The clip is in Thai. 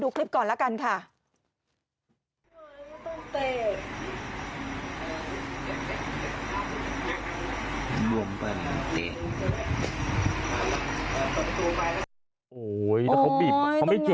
ดูเรื่องดีหน่อยดูคลิปก่อนล่ะกันค่ะ